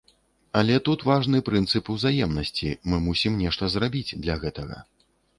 Але тут важны прынцып узаемнасці, мы мусім нешта забіць для гэтага.